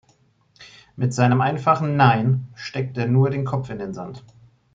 Mit seinem einfachen "Nein" steckt er nur den Kopf in den Sand.